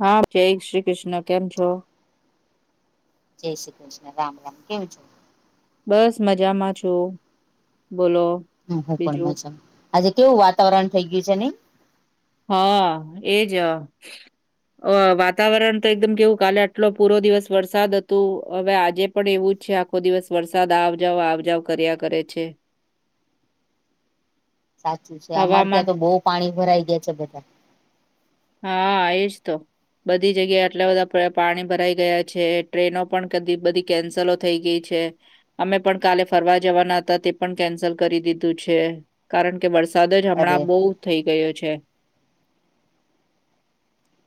હા જય શ્રી કૃષ્ણ કેમ છો? જય શ્રી કૃષ્ણ રામ રામ કેવું છો? બસ મજામાં છું બોલો? હમ હું પણ બીજું મજા આજે કેવું વાતાવરણ થઈ ગયું છે ને? હા એજ- અ વાતાવરણ તો એકદમ કેવું કાલે આટલો પૂરો દિવસ વરસાદ હતો હવે આજે પણ એવું જ છે આ- આખો દિવસ વરસાદ આવજાવ આવજાવ કર્યા કરે છે. સાચું છે અમાર ત્યાં હવામાન તો બહુ પાણી ભરાઈ ગયા છે. બધા- હા એજ તો- બધી જગ્યા આટલા બધા પ્ર પાણી ભરાઈ ગયા છે ટ્રેનો પણ કદી બધી- કેન્સલો થઈ ગઈ છે. અમે પણ કાલે ફરવા જવાના હતા તે પણ કેન્સલ કરી દીધું છે. કારણ કે વરસાદ જ અરે હમણાં બહુ થઇ ગયો છે.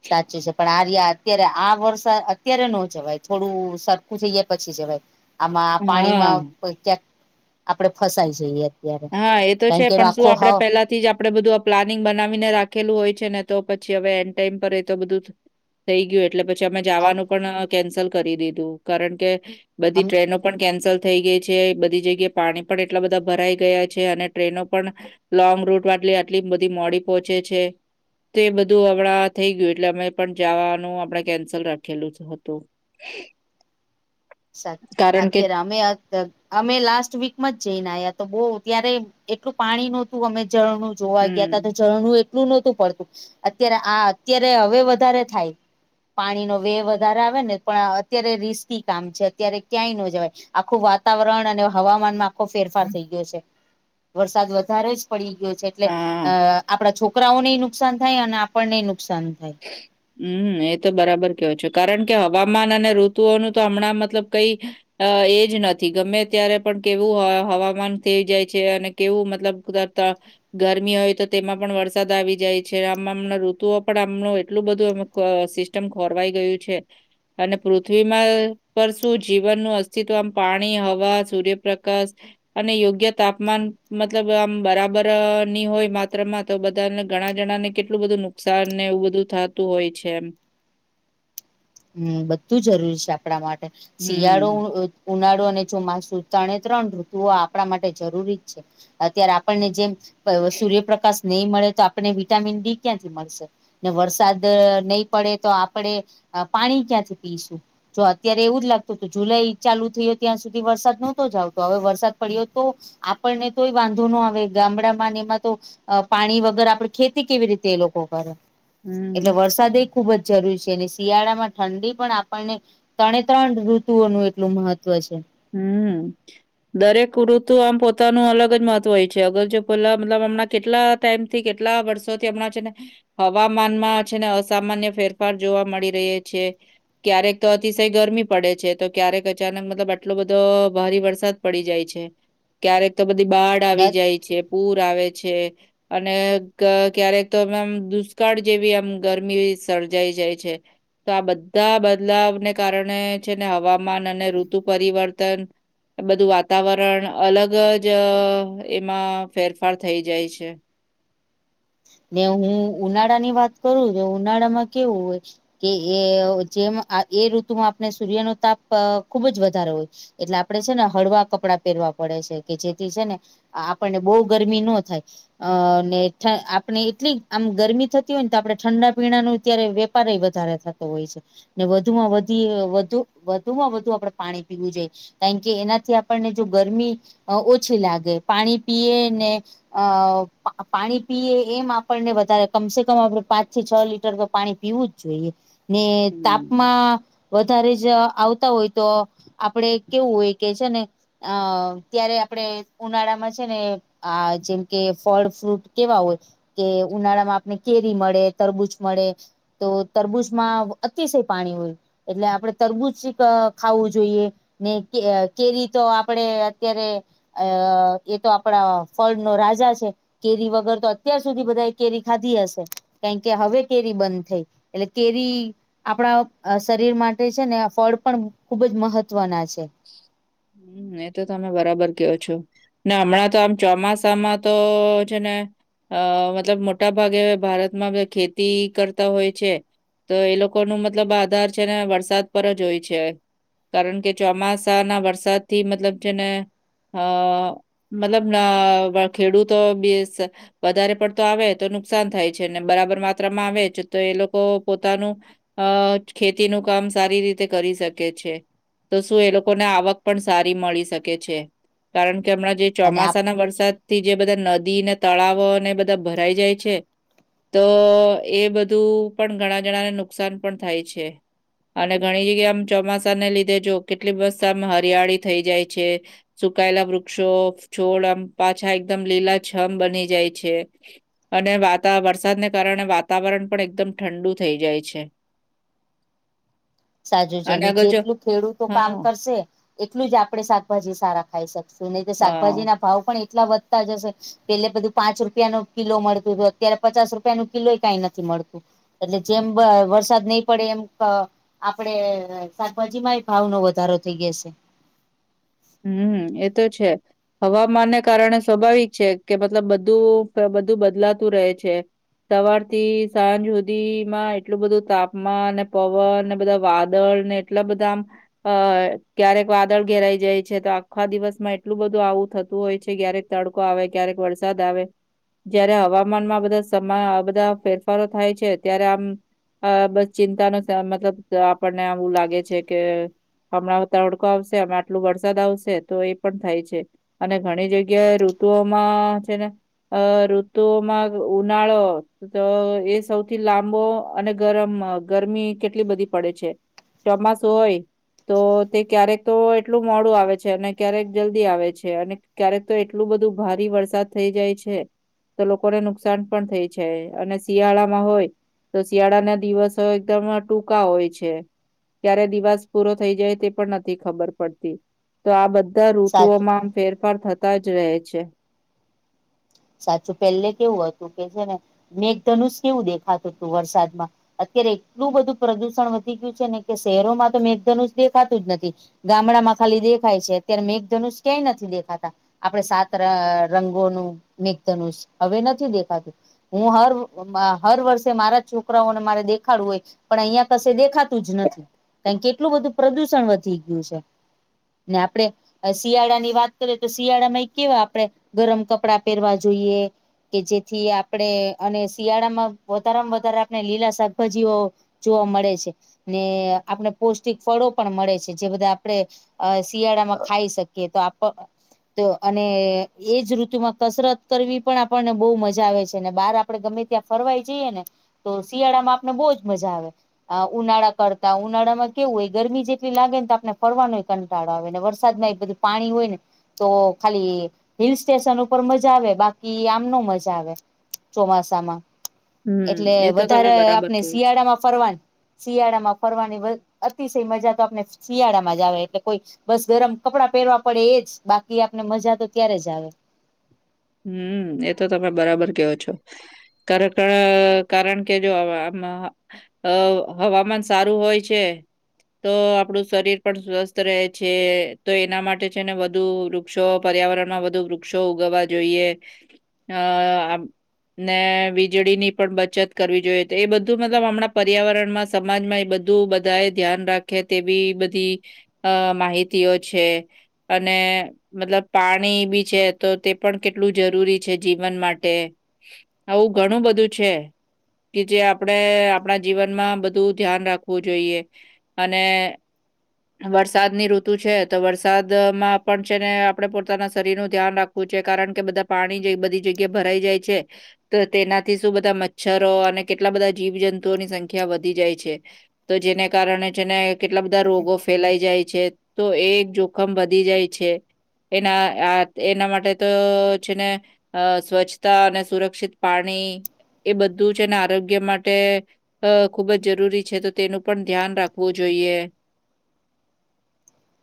સાચું છે પણ આ રિયા- અત્યારે આ વરસા અત્યારે નો જવાય થોડું સરખું થઈ જાય પછી જવાય- આમાં હા, પાણીમાં ક્યાંક આપડે ફસાય જઈએ અત્યારે હા એ તો છે કારણ કે એનો પણ શું આખો આપડે હાવ પેલા થી જ આપડે બધું આ પ્લાનિંગ બનાવીને રાખેલું હોય છે, ને તો પછી હવે એન્ડ ટાઈમ પર એ તો બધુંજ થઈ ગીયું એટલે પછી આમે આમ જવાનું પણ કેન્સલ કરી દીધું, કારણ કે આમ બધી ટ્રેનો પણ કેન્સલ થઈ ગઈ છે, બધી જગ્યાએ પાણી પણ એટલા બધા ભરાય ગયા છે અને ટ્રેનો પણ લોંગ રૂટ વાટલે આટલી બધી મોડી પોંચે છે. તે એ બધું અવળા થઈ ગીયું એટલે અમે પણ જાવાનું આપણે કેન્સલ રાખેલું જ હતું. [inaudible] સા કારણ કે અત્યારે અમે આ ત અમે લાસ્ટ વીકમાં જઈને આયા, તો બઉ ત્યારે એટલું પાણી નોતું હમે જ જોવા ગ્યાતા તો હમ્મ, ઝરણું એટલું નોતું પડતું, અત્યારે આ અત્યારે અવે વધારે થાય. પાણી નો વે વધારે આવે ને પણ અત્યારે રિસ્કી કામ છે, અત્યારે ક્યાંય ન જવાય આખું વાતાવરણ અને હવામાનમાં આખો ફેરફાર થઈ ગયો છે. વરસાદ વધારે જ પડી ગીયો છે, એટલે હા. આ આપણા છોકરાઓને નુકસાન થાય અને આપણને નુકસાન થાય. [inaudible] મમ્મ એ તો બરાબર કેવ છો, કારણ કે હવામાન અને ઋતુઓનુ તો હમણાં મતલબ કઈ અ એજ નથી ગમે ત્યારે પણ કેવું અવ હવામાન થઈ જાય છે, અને કેવું મતલબ [unintelligible] ગરમી હોય તો તેમાં પણ વરસાદ આવી જાય છે, આમ આમં ઋતુઓ પણ આપ એમણુ એટલું બધું અમુક સિસ્ટમ ખોરવાઈ ગયું છે. અને પૃથ્વીમાં પર શું જીવનનું અસ્તિત્વ આમ પાણી, હવા, સૂર્યપ્રકાશ,.... અને યોગ્ય તાપમાન મતલબ આમ બરાબર ની હોય માત્ર મા તો બધાને ઘણા જણા ને કેટલું બધું નુકસાન ને એવું બધું થાતું હોય છે, એમ. હમ્મ, બધું જરૂરી છે આપણા માટે. શિયાળો હમ. ઉનાળુ અને ચોમાસું ત્રણે ત્રણ ઋતુઓ આપણા માટે જરૂરી છે. અત્યારે આપણને જેમ અ સૂર્યપ્રકાશ નઈ મળે, તો આપણને વિટામિન ડી ક્યાંથી મળશે. ને વરસાદ નઈ પડે, તો આપડણેે પાણી ક્યાંથી પીયશું? જો અત્યારે એવું જ લાગતું તુ જુલાઈ ચાલુ થયો, ત્યાં સુધી વરસાદ નહોતો જ આવતો. હવે વરસાદ પડ્યો તો આપણને તોય વાંધો નો આવે ગામડામાં એમાં તો અ પાણી વગર આપડણે ખેતી કેવી રીતે એ લોકો કરે. હમ. એટલે વરસાદ એ ખુબ જ જરૂરી છે, એની શિયાળામાં ઠંડી પણ આપણને ત્રણે ત્રણ ઋતુઓનું એટલું મહત્વ છે. હમ્મ. દરેક ઋતુ આમ પોતાનું અલગ જ મહત્વ હોય છે, અગલ જો પલા મતલબ હમણા કેટલા ટાઈમથી કેટલા વર્ષોથી હમણાં છે ને હવામાનમાં છે ને અસામાન્ય ફેરફાર જોવા મળી રહી છે. ક્યારેક તો અતિસય ગરમી પડે છે, તો ક્યારેક અચાનક મતલબ એટલો બધો ભારે વરસાદ પડી જાય છે, ક્યારેક તો બધી બાઢ આવી જાય છે. પૂર આવે છે. અને ક ક્યારેક તો એમ મ દુષ્કાળ જેવી આમ ગરમી સર્જાઈ જાય છે. તો આ બધા બદલાવને કારણે છેને હવામાન અને ઋતુ પરિવર્તન બધું વાતાવરણ અલગ જ એમાં ફેરફાર થઇ જાય છે. ને હું ઉનાળા ની વાત કરું, તો ઉનાળા માં કેવું હોય. કે એ જેમ આ એ ઋતુમાં આપને સૂર્યનો તાપ ખુબ જ વધારે હોય. એટલે આપણે છે ને હળવા કપડાં પહેરવા પડે છે કે જેથી છે ને આપણને બોવ ગરમી નો થાય, અ ને ઠ પને એટલી આમ ગરમી થતી હોય, ને તો આપણે ઠંડા પીણા નો ત્યારે વેપાર એ વધારે થતો હોય છે. ને વધુમાં વધી વધુ વધુમાં વધુ આપડે પાણી પીવું જોઈએ. કાંય કે એનાથી આપણને જો ગરમી ઓછી લાગે. પાણી પીએ ને અ પા પાણી પીએ. એમ આપણને વધારે કમસે કમ આપણે પાંચથી છ લીટર તો પાણી પીવું જ જોઈએ. ને હમ્મ. તાપમાં વધારે જ આવતા હોય તો આપડે કેવું હોય કે છે ને. અ ત્યારે આપડે ઉનાળા માં છે ને. આ જેમ કે ફળ ફ્રૂટ કેવા હોય. કે ઉનાળા માં આપને કેરી મળે તરબૂજ મળે. તો તરબૂજમાં અતિશય પાણી હોય. એટલે આપણે તરબૂજ ખાવું જોઈએ. ને કે કેરી તો આપડે અત્યારે અ એ તો આપડા ફળ નો રાજા છે, કેરી વગર તો અત્યાર સુધી બધા કેરી ખાધી હશે કારણ કે હવે કેરી બંધ થઈ એટલે કેરી આપણા શરીર માટે છે ને આ ફળ પણ ખુબ જ મહત્વના છે. હમ એ તો તમે બરાબર કયો છો. ને હમણાં તો આમ ચોમાસામાં તો છે ને અ મતલબ મોટા ભાગે હવે ભારતમાં ખેતી કરતા હોય છે. તો એ લોકો નુ મતલબ આધાર છે ને વરસાદ પર જ હોય છે કારણ કે ચોમાસા ના વરસાદ થી મતલબ છેને અ મતલબ ના ખેડૂતો બેસ વધારે પડતો આવે તો નુકસાન થાય છે ને બરાબર માત્રામાં આવે જ તો એ લોકો પોતાનું અ ખેતી નું કામ સારી રીતે કરી શકે છે. તો શું એ લોકોને આવક પણ સારી મળી શકે છે કારણ કે હમણાં જે અને આપ ચોમાસા ના વરસાદ થી જે બધા નદીને તળાવો ને બધા ભરાઈ જાય છે. તો એ બધું પણ ઘણા જણાને નુકસાન પણ થાય છે. અને ઘણી જગ્યા આમ ચોમાસા ને લીધે જો કેટલી બસ્ત આમ હરિયાળી થઇ જાય છે. સુકાયેલા વૃક્ષો છોડ આમ પાછા એકદમ લીલા છમ બની જાય છે. અને વાતા વરસાદને કારણે વાતાવરણ પણ એકદમ ઠંડુ થઈ જાય છે. [inaudible] સાજું અને છે આગળ જો જેટલું ખેડૂતો કામ હા કરશે એટલું જ આપડે શાકભાજી સારા ખાઈ શકશું નહી તો હા શાકભાજી ના ભાવ પણ એટલા વધતા જ હશે. પેલે બધું પાંચ રૂપિયા નુ કિલો મળતું તુ અત્યારે પચાસ રૂપિયા નુ કિલોય કઈ નથી મળતું. એટલે જેમ વ વરસાદ નહી પડે એમઅ આપડે શાકભાજી માંય ભાવ નો વધારો થઇ ગય શે હમ હમ એતો છે. હવામાનને કારણે સ્વાભાવિક છે કે મતલબ બધું બધું બદલાતું રહે છે. સવાર થી સાંજ સુધી માં એટલું બધું તાપમાન પવન ને બધા વાદળ ને એટલા બધા આમ અ ક્યારેક વાદળ ઘેરાઈ જાય છે તો આખા દિવસમાં એટલું બધું આવું થતું હોય છે ક્યારેક તડકો આવે ક્યારેક વરસાદ આવે જયારે હવામાનમાં બધા સમા બધા ફેરફારો થાય છે ત્યારે આમ અ બસ ચિંતા નો આ મતલબ આપણને આવું લાગે છે કે હમણાં તડકો આવશે અમે આટલું વરષ વરસાદ આવશે તો એ પણ થાય છે અને ઘણી જગ્યાએ ઋતુઓમાં છે ને અ ઋતુમાં ઉનાળો તો એ સૌથી લાંબો અને ગરમ ગરમી કેટલી બધી પડે છે. ચોમાસું હોય તો તે ક્યારેક તો એટલું મોડું આવે છે અને ક્યારેક જલ્દી આવે છે અને ક્યારેક તો એટલું બધું ભારે વરસાદ થઈ જાય છે. તો લોકોને નુકસાન પણ થાય છે અને શિયાળામાં હોય. તો શિયાળાના દિવસો એકદમ ટૂંકા હોય છે. ક્યારે દિવસ પૂરો થઈ જાય તે પણ નથી ખબર પડતી તો આ બધા સાચું ઋતુઓમાં ફેરફાર થતા જ રહે છે. સાચું પેહેલે કેવું હતું કે છે ને મેઘધનુષ કેવું દેખાતું હતું વરસાદમાં અત્યારે એટલું બધું પ્રદુષણ વધી ગયું છે ને કે શહેરોમાં તો મેઘધનુષ દેખાતું જ નથી. ગામડામાં ખાલી દેખાય છે અત્યારે મેઘધનુષ ક્યાય નથી દેખાતા આપણે સાત ર રંગોનું મેઘ ધનુષ હવે નથી દેખાતું હું હર, મા હર વર્ષે મારા છોકરાઓને મારે દેખાડવું હોય. પણ અહીંયા કશે દેખાતું જ નથી, કારણ કેટલું બધું પ્રદુષણ વધી ગયું છે. ને આપડે અ શિયાળા ની વાત કરીએ, તો શિયાળામાં એ કેવા આપડે ગરમ કપડા પેરવા જોઈએ. કે જેથી આપડે, અને શિયાળામાં વધારામાં વધારે આપણે લીલા શાકભાજીઓ જોવા મળે છે, ને આપણે પૌષ્ટિક ફળો પણ મળે છે, જે બધા આપડે અ શિયાળામાં ખાઈ શકીએ, તો આપ તો અને એજ ઋતુમાં કસરત કરવી પણ આપણને બહુ મજા આવે છે, ને બહાર આપડે ગમે ત્યાં ફરવાઈ જઈએને તો શિયાળામાં આપને બહુજ મજા આવે. અ ઉનાળા કરતા, ઉનાળામાં કેવું હોય ગરમીજ જેટલી લાગેને, તો આપને ફરવાનોય કંટાળો આવે, ને વરસાદમાં એ બધું પાણી હોયને, તો ખાલી હિલ સ્ટેશન ઉપ પર મજા આવે, બાકી આમ નો મજા આવે ચોમાસામાં. એટલે હમ એ તો તમે વધારે બરાબર આપને કહ્યો છો. શિયાળામાં ફરવાન શિયાળામાં ફરવાની વલ અતિશય મજાતો આપને શિયાળામાં જ આવે, એટલે કોઈ બસ ગરમ કપડા પહેરવા પડે એજ, બાકી આપને મજા તો ત્યારેજ આવે. હમ્મ, એ તો તમે બરાબર ક્યો છો. કારકડે, કારણ કે જો હવે આમાં અ હવામાન સારું હોય છે. તો આપડું શરીર પણ સ્વસ્થ રહે છે, તો એના માટે છે ને વધુ રુ ક્ષો, પર્યાવરણમાં વધુ વૃક્ષો ઉગવવા જોઈએ, અ આમ ને વીજળીની પણ બચત કરવી જોઈએ, તો એ બધું મતલબ હમણાં પર્યાવરણમાં સમાજમાં એ બધું બધા એ ધ્યાન રાખે, તેવી બધી અ માહિતીઓ છે, અને મતલબ પાણી બી છે તો તે પણ કેટલું જરૂરી છે જીવન માટે, આવું ઘણું બધું છે. કે જે આપડે આપડા જીવનમાં બધું ધ્યાન રાખવું જોઈએ. અને વરસાદની ઋતુ છે, તો વરસાદમાં પણ છેને આપડે પોતાના શરીર નું ધ્યાન રાખવુંજ છે, કારણ કે બધા પાણી જે બધી જગ્યા ભરાઈ જાય છે. તો તેનાથી શું બધા મચ્છરો, અને કેટલા બધા જીવજંતુઓની સંખ્યા વધી જાય છે. તો જેને કારણે છેને, કેટલા બધા રોગો ફેલાઈ જાય છે. તો એ જોખમ વધી જાય છે, એના આ એના માટે ત છેને, અ સ્વચ્છતા અને સુરક્ષિત પાણી એ બધું છે ને, આરોગ્ય માટે અ ખુબજ જરૂરી છે, તો તેનું પણ ધ્યાન રાખવું જોઈએ.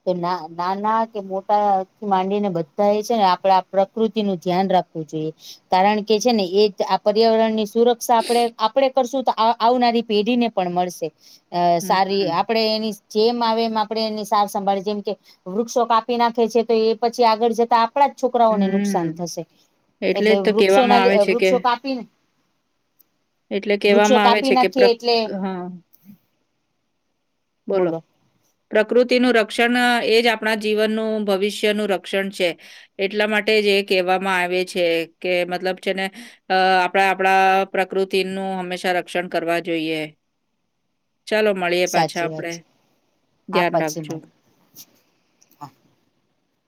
તે ના નાના કે મોટા થી માંડીને બધ્ધાએ છેને, આપડા પ્રકૃતિ નું ધ્યાન રાખ વુ જોઈએ, કારણકે છેને એજ આ પર્યાવરણ ની સુરક્ષા આપડે, આપડે કરશુંતો આવ-આવનારી પીઢીને પણ મળશે. અ હમ, સારી, હમ. આપડે એની જેમ આવે એમ આપડે એની સા સંભાળ, જેમ કે, વૃક્ષો કાપી નાખે છે, તો એ પછી આગળ જતા આપ પડા જ છોકરાઓને નુકસાન હમ થશે, એટલે જ તો કહેવામાં વૃક્ષોના આવે લી છે કે વૃક્ષો કાપીને એટલે વૃક્ષો કેહેવામાં આવે કાપી છે કે, નાખીએ પ્રક એટલે હા, બોલો પ્રકૃતિનું રક્ષણ એ જ આપણા જીવનનું, ભવિષ્યનું, રક્ષણ છે. એટલા માટે જ એ કહેવામાં આવે છે કે, મતલબ છેને અ આપડે આપડા પ્રકૃતિનું હંમેશા રક્ષણ કરવા જોઈએ. ચાલો મળીએ પાછા સાચી વાત આપડે, છે આ ધ્યાન પછી રાખજો. મળી